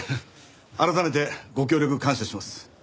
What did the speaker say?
改めてご協力感謝します。